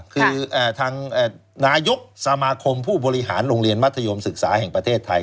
คือทางนายกสมาคมผู้บริหารโรงเรียนมัธยมศึกษาแห่งประเทศไทย